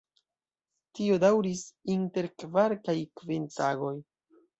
Tio daŭris inter kvar kaj kvin tagoj.